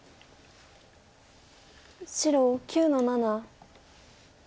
白９の七。